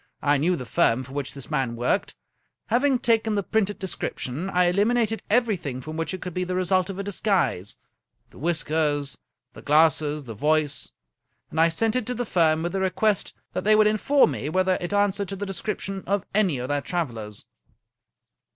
I knew the firm for which this man worked. Having taken the printed description, I eliminated every thing from it which could be the result of a disguise, — ^the whiskers, the glasses, the voice, — ^and I sent it to the firm with a request that they would inform me whether it an swered to the description of any of their travelers.